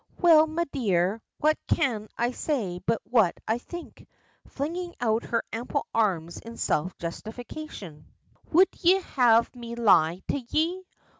"Well, me dear, what can I say but what I think?" flinging out her ample arms in self justification. "Would ye have me lie to ye?